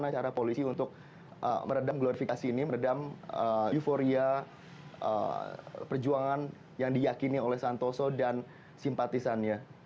bagaimana cara polisi untuk meredam glorifikasi ini meredam euforia perjuangan yang diyakini oleh santoso dan simpatisannya